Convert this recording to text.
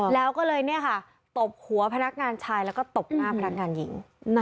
แล้วก็เลยตบหัวพนักงานชายแล้วก็ตบหน้าพนักงานหญิง